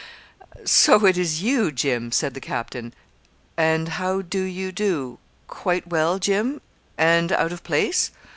'And so it is you, Jim,' said the captain. 'And how do you do quite well, Jim and out of place?